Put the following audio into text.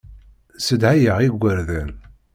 Ssedhayeɣ igerdan.